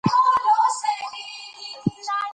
قلاګانو کي په جګو تعمیرو کي